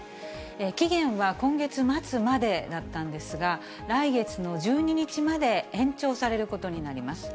期限は今月末までだったんですが、来月の１２日まで延長されることになります。